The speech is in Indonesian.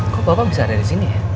kok bapak bisa ada disini